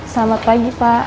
selamat pagi pak